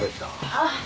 あっ。